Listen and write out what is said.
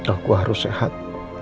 aku harus sehat